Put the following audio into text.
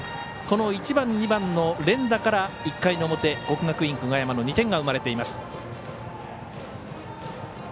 この１番、２番の連打から１回の表、国学院久我山の２点が生まれています。